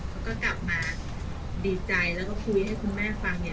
แล้วก็กลับมาดีใจแล้วก็คุยให้คุณแม่ฟังเนี่ย